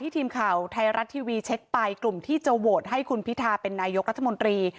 ทีมข่าวไทยรัฐทีวีเช็คไปกลุ่มที่จะโหวตให้คุณพิทาเป็นนายกรัฐมนตรี